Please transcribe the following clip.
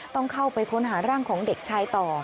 ต้องเข้าไปค้นหาร่างของเด็กชายต่อ